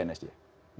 terus ditanya nggak ke